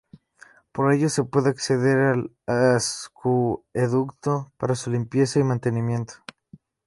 Por ellos se puede acceder al acueducto para su limpieza y mantenimiento.